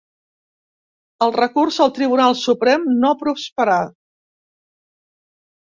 El recurs al Tribunal Suprem no prosperà.